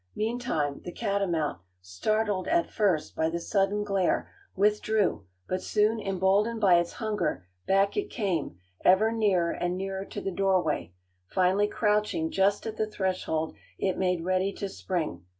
Meantime the catamount, startled at first by the sudden glare, withdrew, but soon emboldened by its hunger back it came, ever nearer and nearer to the doorway; finally crouching just at the threshold, it made ready to spring.